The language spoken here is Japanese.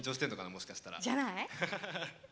もしかしたら。